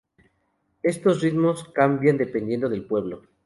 Estos ritmos cambian dependiendo del pueblo.